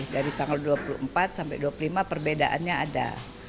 dari tanggal dua puluh empat sampai dua puluh lima perbedaannya ada